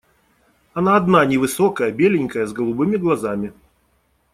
Она одна невысокая, беленькая, с голубыми глазами.